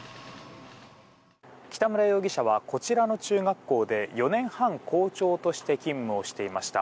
北村容疑者はこちらの中学校で４年半、校長として勤務をしていました。